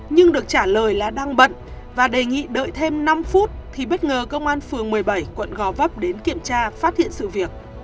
nhưng được trả lời là đang bận và đề nghị đợi thêm năm phút thì bất ngờ công an phường một mươi bảy quận gò vấp đến kiểm tra phát hiện sự việc